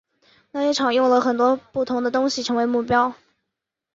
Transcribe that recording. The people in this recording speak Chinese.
那些场用了很多不同的东西成为目标。